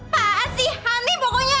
paan sih hani pokoknya